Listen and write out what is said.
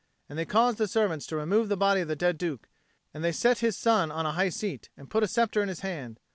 And they caused the servants to remove the body of the dead Duke, and they set his son on a high seat, and put a sceptre in his hand.